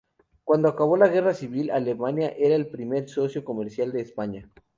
Cuando acabó la guerra civil, Alemania era el primer socio comercial de España.